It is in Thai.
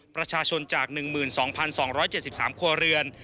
ประชาชนจาก๑๒๒๗๓ครัวเรือน